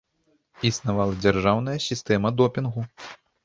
Існавала дзяржаўная сістэма допінгу.